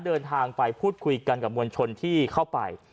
เดินทางไปพูดคุยกันกับมวลชนที่เข้าไป